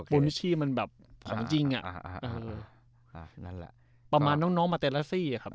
บนชีมันแบบของจริงอ่ะอ่านั่นแหละประมาณน้องน้องมาเตะแล้วสิอ่ะครับ